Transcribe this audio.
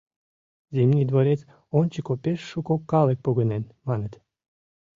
Зимний дворец ончыко пеш шуко калык погынен, маныт.